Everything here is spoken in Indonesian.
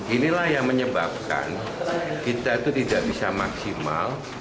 inilah yang menyebabkan kita itu tidak bisa maksimal